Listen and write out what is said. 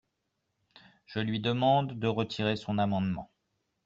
Je lui demande de retirer son amendement.